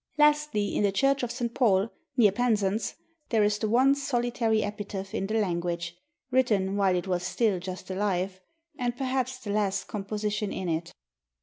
Lastly, in the Church of St. Paul, near Penzance, there is the one solitary epitaph in the language; written while it was still just alive, and perhaps the last composition in it.